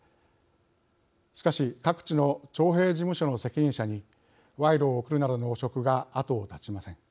しかし各地の徴兵事務所の責任者に賄賂を贈るなどの汚職が後を絶ちません。